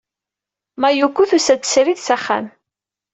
Mayuko tusa-d srid s axxam.